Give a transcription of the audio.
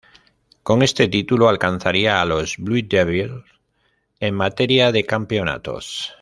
Con este título alcanzaría a los Blue Devils en materia de campeonatos.